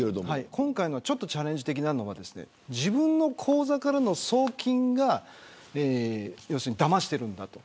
今回、チャレンジ的なのが自分の口座からの送金が要するに、だましているんだと。